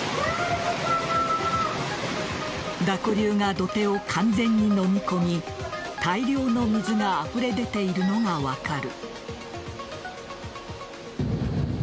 濁流が土手を完全にのみ込み大量の水があふれ出ているのが分かる。